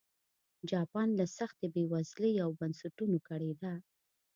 جاپان له سختې بېوزلۍ او بنسټونو کړېده.